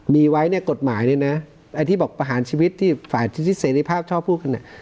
มีไว้เนี่ยกฎหมายเนี่ยนะไอ้ที่บอกประหารชีวิตที่ฝ่ายเสรีภาพชอบพูดกัน